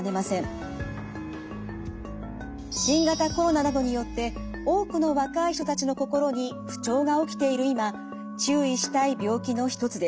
新型コロナなどによって多くの若い人たちの心に不調が起きている今注意したい病気の一つです。